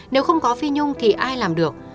nếu không có phi nhung thì ai làm được